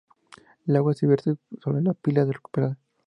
El agua se vierte sobre la pila recuperada.